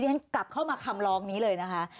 เรียกกลับเข้ามาคำลองนี้เลยนะคะ